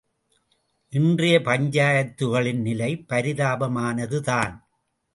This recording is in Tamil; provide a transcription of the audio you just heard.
இன்றைய பஞ்சாயத்துக்களின் நிலை பரிதாபமானதுதான்!